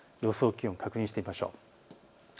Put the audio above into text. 予想気温を確認してみましょう。